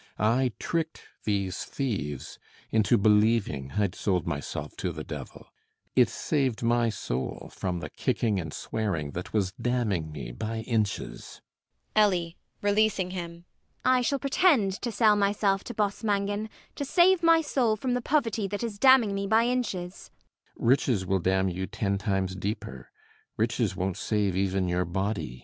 I tricked these thieves into believing I'd sold myself to the devil. It saved my soul from the kicking and swearing that was damning me by inches. ELLIE [releasing him]. I shall pretend to sell myself to Boss Mangan to save my soul from the poverty that is damning me by inches.